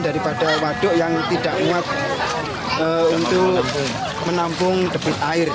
daripada waduk yang tidak muat untuk menampung depit air